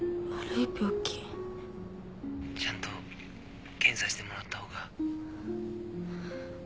☎ちゃんと検査してもらったほうが。